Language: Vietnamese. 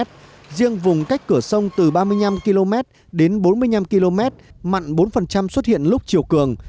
riêng vùng cách cửa sông từ ba mươi năm km đến bốn mươi năm km mặn bốn xuất hiện lúc chiều cường